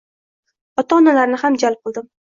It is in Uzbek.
Ota-onalarni ham jalb qildim.